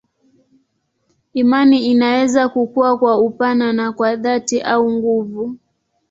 Imani inaweza kukua kwa upana na kwa dhati au nguvu.